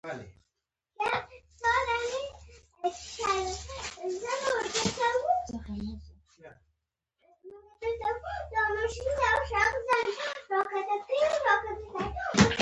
زۀ ولاړ ووم چې د زنې لاندې مې وکتل